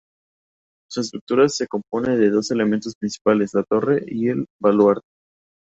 Su estructura se compone de dos elementos principales: la torre y el baluarte.